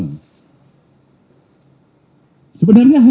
agar tidak ada yang memakai bahasan yang penuh dengan ekomisme